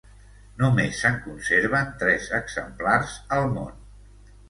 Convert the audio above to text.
Només se'n conserven tres exemplars al món.